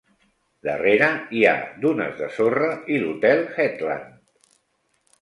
Darrere hi ha dunes de sorra i l'hotel Headland.